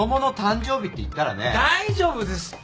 大丈夫ですって。